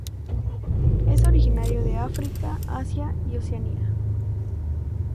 Es originario de África, Asia y Oceanía.